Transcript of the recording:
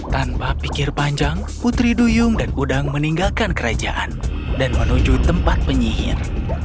tanpa pikir panjang putri duyung dan udang meninggalkan kerajaan dan menuju tempat penyihir